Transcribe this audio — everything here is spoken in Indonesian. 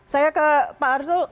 saya ke pak arsul